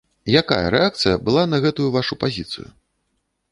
Якая рэакцыя была на гэтую вашу пазіцыю?